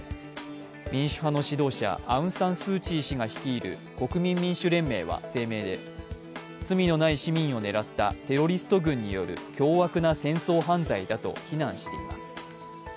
民主派の指導者アウン・サン・スー・チー氏が率いる国民民主連盟は声明で罪のない市民を狙ったテロリスト軍による凶悪な戦争犯罪だと非難しています。